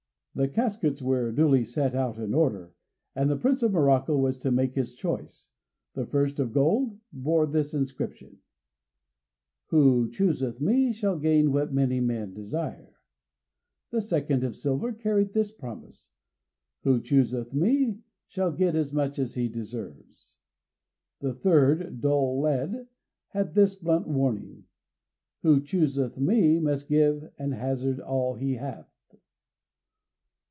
The caskets were duly set out in order, and the Prince of Morocco was to make his choice. The first, of gold, bore this inscription: ="Who chooseth me shall gain what many men desire."= The second, of silver, carried this promise: ="Who chooseth me shall get as much as he deserves."= The third, dull lead, had this blunt warning: ="Who chooseth me must give and hazard all he hath."